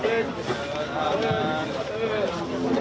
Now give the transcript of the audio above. telah dilakukan pembelian